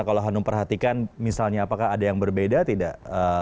kalau hanum perhatikan misalnya apakah ada yang berbeda tidak